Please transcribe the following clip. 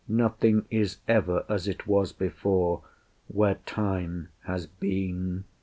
Nothing is ever as it was before, Where Time has been.